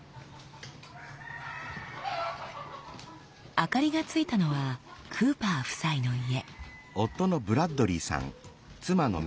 ・・明かりがついたのはクーパー夫妻の家。